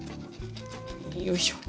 よいしょ。